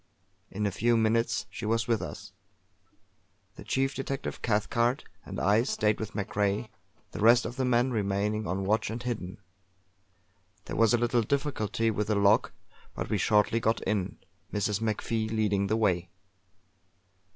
In a few minutes she was with us; the chief detective, Cathcart, and I stayed with MacRae, the rest of the men remaining on watch and hidden. There was a little difficulty with the lock, but we shortly got in, Mrs. MacFie leading the way.